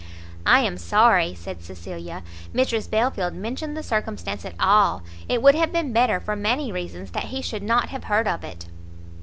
"I am sorry," said Cecilia, "Mrs Belfield mentioned the circumstance at all; it would have been better, for many reasons, that he should not have heard of it."